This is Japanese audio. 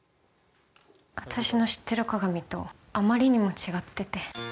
私の知ってる加賀美とあまりにも違ってて。